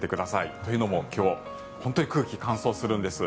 というのも今日、本当に空気が乾燥するんです。